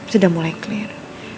sudah mulai clear